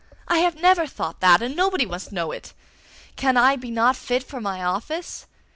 I have never thought that, and nobody must know it! Can I be not fit for my office?